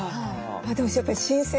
でもやっぱり新鮮。